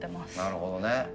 なるほどね。